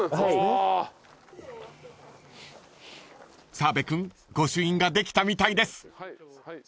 ［澤部君御朱印ができたみたいです］